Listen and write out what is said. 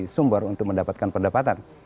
sumber untuk mendapatkan pendapatan